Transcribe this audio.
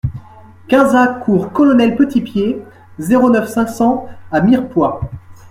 quinze A cours Colonel Petitpied, zéro neuf, cinq cents à Mirepoix